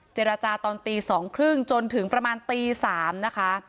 เจรจาตอนตี๒๓๐จนถึงประมาณตี๓นะคะ